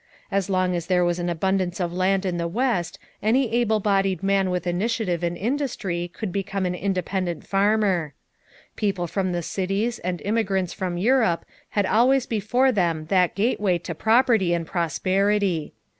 As long as there was an abundance of land in the West any able bodied man with initiative and industry could become an independent farmer. People from the cities and immigrants from Europe had always before them that gateway to property and prosperity.